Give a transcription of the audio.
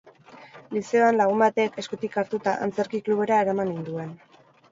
Lizeoan, lagun batek, eskutik hartuta, antzerki klubara ereman ninduen.